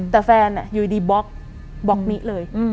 แต่แฟนอยู่ดีบล็อกบล็อกมิเลย